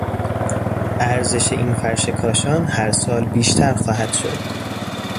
ارزش این فرش کاشان هر سال بیشتر خواهد شد.